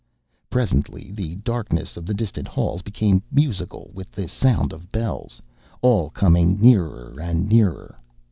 Presently the darkness of the distant halls became musical with the sound of bells, all coming nearer and nearer.